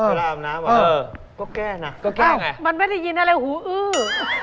เวลาอาบน้ำอ่ะเออก็แก้นะก็แก้ไงมันไม่ได้ยินอะไรหูอื้อ